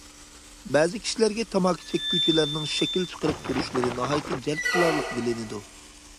بەزى كىشىلەرگە تاماكا چەككۈچىلەرنىڭ شەكىل چىقىرىپ تۇرۇشلىرى ناھايىتى جەلپ قىلارلىق بىلىنىدۇ.